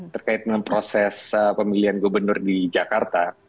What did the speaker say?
terkait dengan proses pemilihan gubernur di jakarta